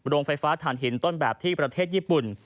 โรงไฟฟ้าฐานหินต้นแบบที่ประเทศญี่ปุ่น